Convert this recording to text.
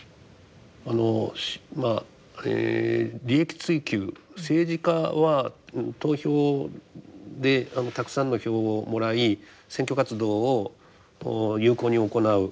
あのまあ利益追求政治家は投票でたくさんの票をもらい選挙活動を有効に行う。